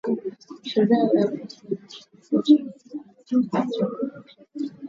Sheria ya Urusi inaamuru uchaguzi wa moja kwa moja wa wakuu